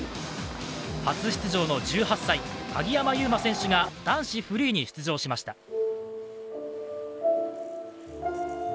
初出場の１８歳、鍵山優真選手が男子フリーに出場しました。